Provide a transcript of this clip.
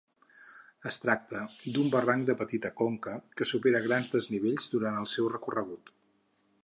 Es tracta d'un barranc de petita conca que supera grans desnivells durant el seu recorregut.